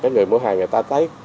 người mua hàng người ta thấy